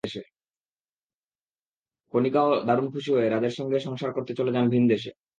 কণিকাও দারুণ খুশি হয়ে রাজের সঙ্গে সংসার করতে চলে যান ভিনদেশে।